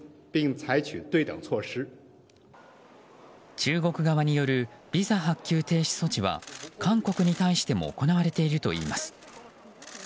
中国側によるビザ発給停止措置は韓国に対しても行われているといいます。